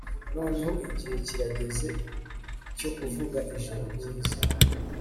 noneho igihe kirageze cyo kuvuga ijoro ryiza